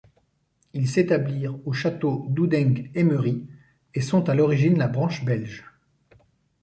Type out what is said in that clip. Ils s'établirent au château d'Houdeng-Aimeries et sont à l'origine la branche belge.